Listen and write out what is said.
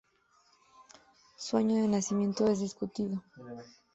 Su año de nacimiento es discutido.